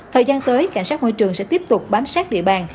thời gian tới cảnh sát môi trường sẽ tiếp tục bám sát địa bàn